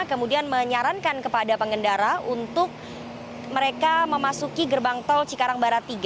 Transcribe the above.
kemudian menyarankan kepada pengendara untuk mereka memasuki gerbang tol cikarang barat tiga